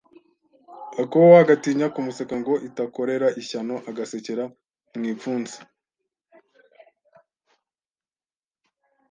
Akowa agatinya kumuseka ngo itakorera ishyano agasekera mu ipfunsi